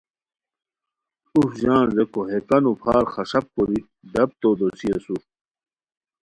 اُف ژان ریکو ہے کانو پھار خݰپ کوری ڈپ تو دوسی اسور